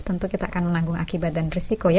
tentu kita akan menanggung akibat dan risiko ya